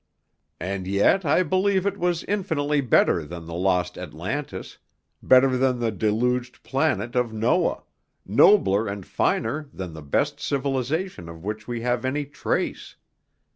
And yet I believe it was infinitely better than the lost Atlantis, better than the deluged planet of Noah, nobler and finer than the best civilization of which we have any trace.